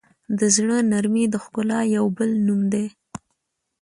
د زړه نرمي د ښکلا یو بل نوم دی.